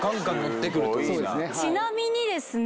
ちなみにですね